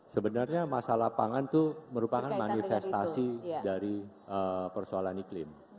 sebenarnya masalah pangan itu merupakan manifestasi dari persoalan iklim